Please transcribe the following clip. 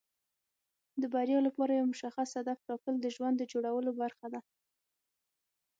د بریا لپاره یو مشخص هدف ټاکل د ژوند د جوړولو برخه ده.